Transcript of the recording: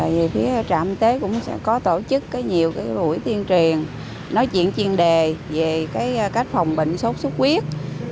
về phía trạm y tế cũng có tổ chức nhiều lũi tiên truyền nói chuyện chuyên đề về cách phòng bệnh sốt xuất huyết